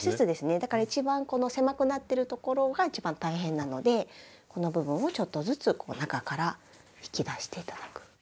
だから一番この狭くなってるところが一番大変なのでこの部分をちょっとずつ中から引き出して頂く。